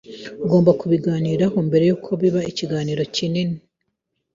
Ugomba kubiganiraho mbere yuko biba ikibazo kinini.